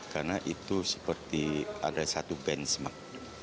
karena itu seperti ada satu benchmark